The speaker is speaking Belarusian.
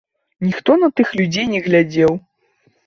Ніхто на тых людзей не глядзеў!